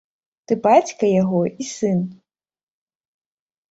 Ты бацька яго і сын.